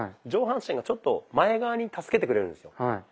上半身がちょっと前側に助けてくれるんですよ。